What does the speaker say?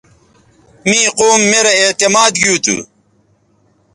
می قوم میرے اعتماد گیوتھو